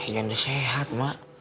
ya udah sehat mak